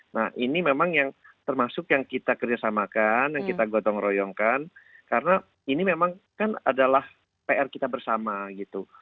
nah ini memang yang termasuk yang kita kerjasamakan yang kita gotong royongkan karena ini memang kan adalah pr kita bersama gitu